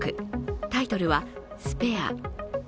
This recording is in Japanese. タイトルは「スペア」。